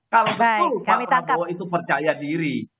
kalau betul pak prabowo itu percaya diri